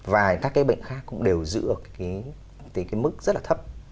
và các cái bệnh khác cũng đều giữ ở cái mức rất là thấp